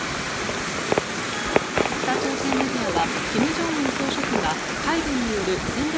北朝鮮メディアは金正恩総書記が海軍による戦略